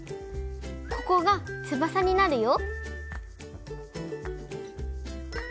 ここがつばさになるよ。